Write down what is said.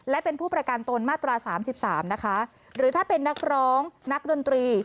และเป็นผู้ประกันตนมาตราสามสิบสามนะคะหรือถ้าเป็นนักร้องนักดนตรี